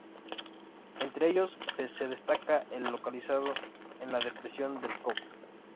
Entre ellos se destaca el localizado en la depresión del Cove.